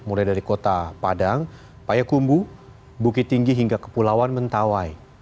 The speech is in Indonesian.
mulai dari kota padang payakumbu bukit tinggi hingga kepulauan mentawai